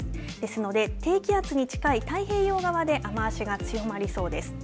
ですので低気圧に近い太平洋側で雨足が強まりそうです。